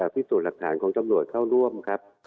พิสูจน์หลักฐานของตำรวจเข้าร่วมครับ